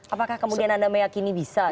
apakah kemudian anda meyakini bisa